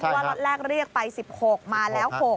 ว่าล็อตแรกเรียกไป๑๖มาแล้ว๖